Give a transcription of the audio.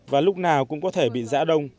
và lúc nào cũng có thể bị giã đông